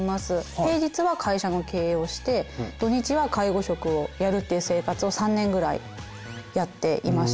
平日は会社の経営をして土日は介護職をやるっていう生活を３年ぐらいやっていました。